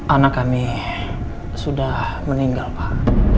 anak kami sudah meninggal pak